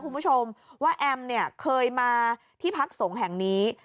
คุณผู้ชมว่าแอมเนี่ยเคยมาที่พักสงฆ์แห่งนี้